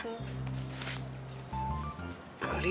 jadi tegas dikit gak apa apa lah